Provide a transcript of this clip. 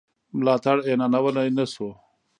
ملاتړ اعلانولای نه شو.